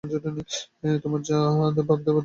তোমার যা ভাব দেবার থাকে দিয়ে যাও, বাকী প্রভু জানেন।